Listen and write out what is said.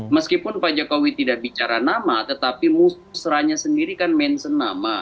meskipun pak jokowi tidak bicara nama tetapi musrahnya sendiri kan mention nama